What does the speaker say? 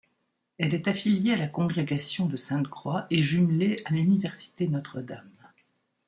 Elle est affiliée à la congrégation de Sainte-Croix et jumelée à l'université Notre-Dame.